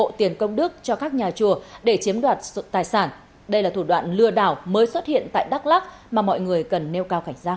công an huyện crong năng vừa điều tra làm rõ bắt giữ một đối tượng chuyên lửa ủng hộ tiền công đức cho các nhà chùa để chiếm đoạt tài sản đây là thủ đoạn lừa đảo mới xuất hiện tại đắk lắc mà mọi người cần nêu cao cảnh giác